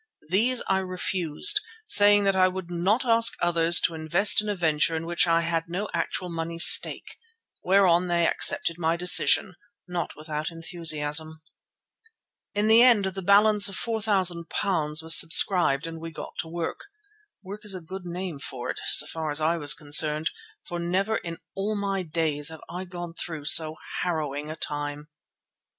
These I refused, saying that I would not ask others to invest in a venture in which I had no actual money stake; whereon they accepted my decision, not without enthusiasm. In the end the balance of £4,000 was subscribed and we got to work. Work is a good name for it so far as I was concerned, for never in all my days have I gone through so harrowing a time.